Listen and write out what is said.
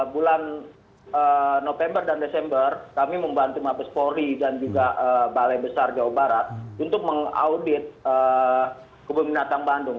bulan november dan desember kami membantu mabes polri dan juga balai besar jawa barat untuk mengaudit kebun binatang bandung